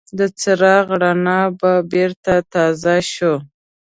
د څراغ رڼا به بېرته تازه شوه.